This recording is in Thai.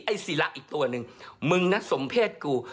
ศิละอีกตัวหนึ่งมึงนะสมเพศกู